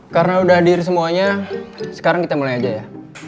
karena udah hadir semuanya sekarang kita mulai aja ya